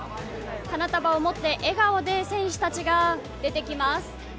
花束を持って笑顔で選手たちが出てきます。